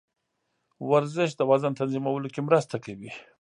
ورزش د وزن تنظیمولو کې مرسته کوي.